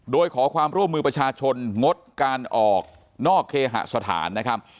โดยขอความร่วมมือประชาชนงดการออกนอกเคหสถานนะครับ